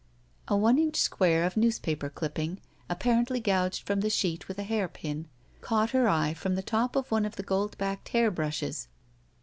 • A one inch square of newspaper clipping, appar ently gouged from the sheet with a hairpin, caught her eye from the top of one of the gold backed hair brushes.